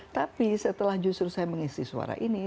tapi setelah justru saya mengisi suara ini